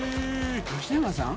吉永さん？